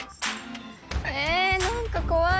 え何か怖い。